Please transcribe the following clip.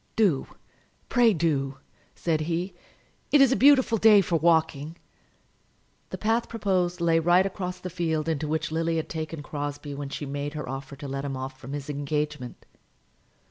"Do, pray do," said he; "it is a beautiful day for walking." The path proposed lay right across the field into which Lily had taken Crosbie when she made her offer to let him off from his engagement.